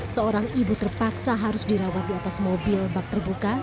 seorang ibu terpaksa harus dirawat di atas mobil bak terbuka